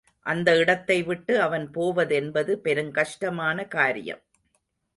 அந்த இடத்தைவிட்டு அவன் போவதென்பது பெருங்கஷ்டமான காரியம்.